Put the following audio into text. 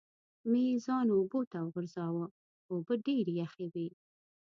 مې ځان اوبو ته وغورځاوه، اوبه ډېرې یخې وې.